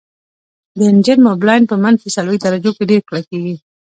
د انجن موبلاین په منفي څلوېښت درجو کې ډیر کلکیږي